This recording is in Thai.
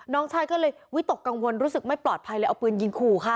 น้องชายก็เลยวิตกกังวลรู้สึกไม่ปลอดภัยเลยเอาปืนยิงขู่ค่ะ